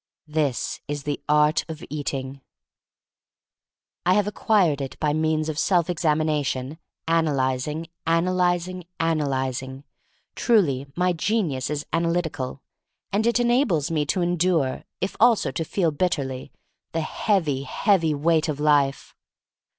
This is the art of Eating. I have acquired it by means of self examination, analyzing — analyzing — analyzing. Truly my genius is analyti cal. And it enables me to endure — if also to feel bitterly — the heavy, heavy weight of life.